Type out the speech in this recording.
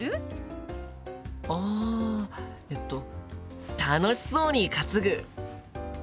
あえっと楽しそうに担ぐ。